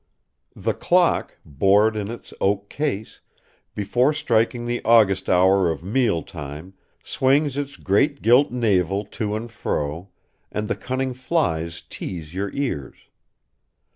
The clock, bored in its oak case, before striking the august hour of meal time, swings its great gilt navel to and fro; and the cunning flies tease your ears.